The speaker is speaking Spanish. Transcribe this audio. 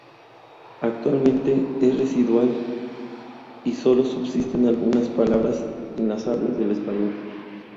Actualmente es residual, y sólo subsisten algunas palabras en las hablas del español.